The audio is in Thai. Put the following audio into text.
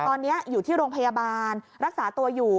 ตอนนี้อยู่ที่โรงพยาบาลรักษาตัวอยู่